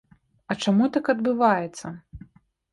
А чаму так адбываецца?